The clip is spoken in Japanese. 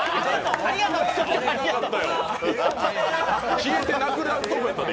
消えてなくなるところやったで。